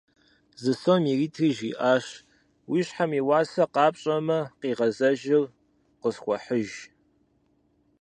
Зы сом иритри жриӏащ: «Уи щхьэм и уасэр къапщӏэмэ, къигъэзэжыр къысхуэхьыж».